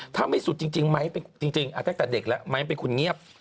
ถ้าไม่สุดจริงไหมจริงตั้งแต่เด็กแล้วไม้เป็นคนเงียบ